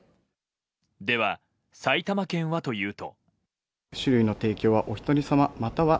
では、埼玉県はというと。